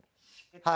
はい。